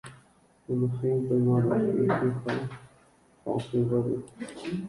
Onohẽ upémarõ ikyha ha oke upépe.